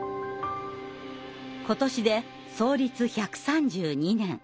今年で創立１３２年。